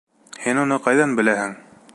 Һин уны... ҡайҙан беләһең?